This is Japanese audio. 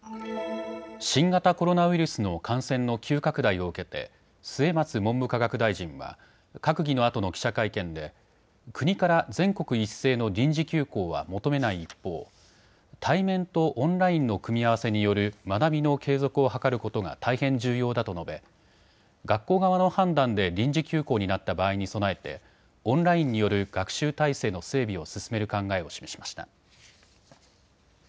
新型コロナウイルスの感染の急拡大を受けて末松文部科学大臣は閣議のあとの記者会見で国から全国一斉の臨時休校は求めない一方、対面とオンラインの組み合わせによる学びの継続を図ることが大変重要だと述べ学校側の判断で臨時休校になった場合に備えてオンラインによる学習体制の整備を進める考えを示しました。